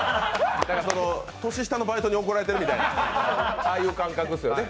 年下のバイトに怒られてるみたいな、ああいう感覚っすよね。